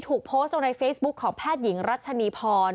ถูกโพสต์ลงในเฟซบุ๊คของแพทย์หญิงรัชนีพร